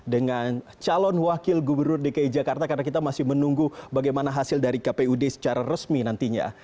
dengan calon wakil gubernur dki jakarta karena kita masih menunggu bagaimana hasil dari kpud secara resmi nantinya